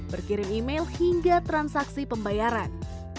berkirim email hingga transaksi pembayaran